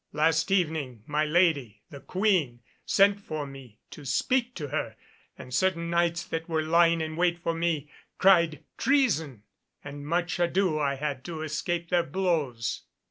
Last evening my lady, the Queen, sent for me to speak to her, and certain Knights that were lying in wait for me cried 'Treason,' and much ado I had to escape their blows.